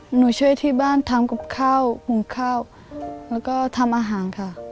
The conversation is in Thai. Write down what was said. หนูช่วยที่บ้านทำกับข้าวหุงข้าวแล้วก็ทำอาหารค่ะ